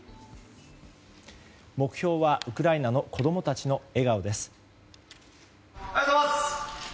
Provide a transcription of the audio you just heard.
目標はウクライナの子供たちの笑顔です。